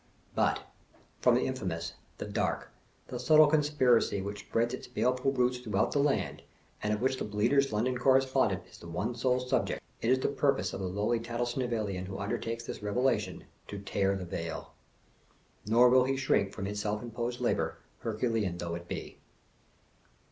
But, from the infamous, the dark, the subtle conspiracy which spreads its baleful roots throughout the land, and of which the Bleater' s London Correspondent is the one sole subject, it is the purpose of the lowly Tattlesnivellian who undertakes this revelation, to tear the veil. Nor will he shrink from his self imposed labor, Herculean though it be.